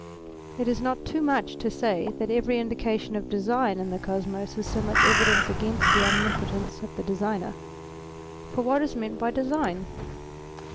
It is not too much to say that every indication of Design in the Kosmos is so much evidence against the Omnipotence of the Designer. For what is meant by Design